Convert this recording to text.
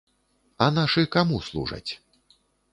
А нашы каму служаць?